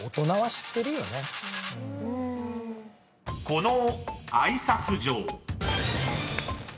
［この挨拶状］